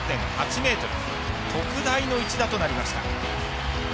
特大の一打となりました。